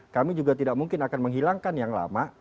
kami juga tidak mungkin akan menghilangkan yang lama